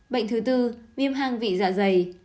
bệnh thứ tư viêm hang vị dạ dày